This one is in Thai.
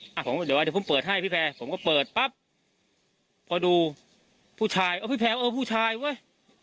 อ่ะผมก็เดี๋ยวว่าเดี๋ยวผมเปิดให้พี่แพรผมก็เปิดปั๊บพอดูผู้ชายเออพี่แพรเออผู้ชายเว้ย